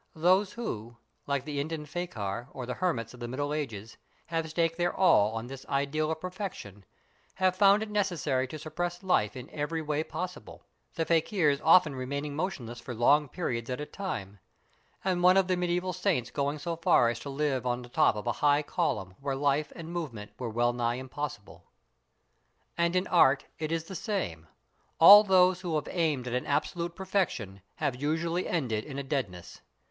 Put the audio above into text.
Those who, like the Indian fakir or the hermits of the Middle Ages, have staked their all on this ideal of perfection, have found it necessary to suppress life in every way possible, the fakirs often remaining motionless for long periods at a time, and one of the mediaeval saints going so far as to live on the top of a high column where life and movement were well nigh impossible. And in art it is the same; all those who have aimed at an absolute perfection have usually ended in a deadness.